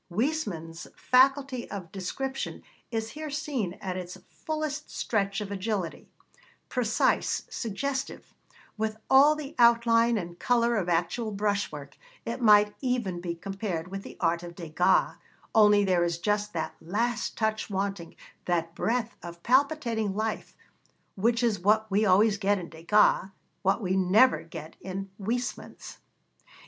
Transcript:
Huysmans' faculty of description is here seen at its fullest stretch of agility; precise, suggestive, with all the outline and colour of actual brush work, it might even be compared with the art of Degas, only there is just that last touch wanting, that breath of palpitating life, which is what we always get in Degas, what we never get in Huysmans.